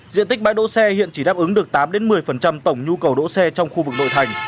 diện tích bãi đỗ xe hiện chỉ đáp ứng được tám một mươi tổng nhu cầu đỗ xe trong khu vực nội thành